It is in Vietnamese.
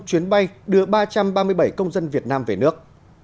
chuyến bay đưa ba trăm ba mươi bảy công dân việt nam về nước